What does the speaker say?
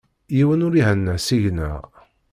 Yiwen ur ihenna seg-neɣ.